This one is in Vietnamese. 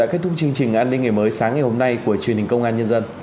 kết thúc chương trình an ninh ngày mới sáng ngày hôm nay của truyền hình công an nhân dân